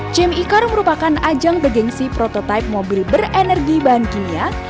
chem e car merupakan ajang bergensi prototipe mobil berenergi bahan kimia